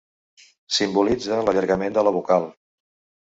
Simbolitza l'allargament de la vocal.